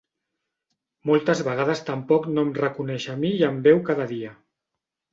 Moltes vegades tampoc no em reconeix a mi i em veu cada dia.